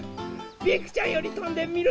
ピンクちゃんよりとんでみる？